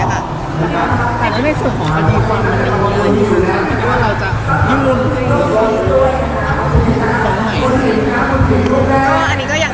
ยังไม่ได้ตัดสินใจว่าพองหรือไม่พอง